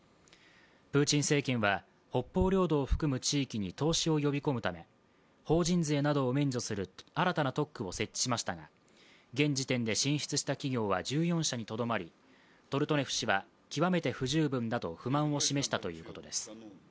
プーチン政権は北方領土を含む地域に投資を呼び込むため、法人税などを免除する新たな特区を設置しましたが現時点で進出した企業は１４社にとどまりトルトネフ氏は極めて不十分だと不満を示したということです。